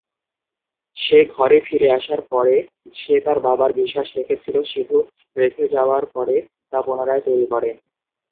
সে ঘরে ফিরে আসার পরে সে তার বাবার বিশ্বাস রেখেছিল সিধু রেখে যাওয়ার পরে তা পুনরায় তৈরি করে।